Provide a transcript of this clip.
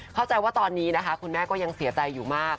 เข้าใจว่าตอนนี้นะคะคุณแม่ก็ยังเสียใจอยู่มาก